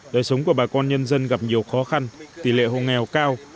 đời sống của bà con nhân dân gặp nhiều khó khăn tỷ lệ hộ nghèo cao